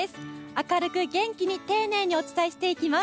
明るく元気に丁寧にお伝えしていきます。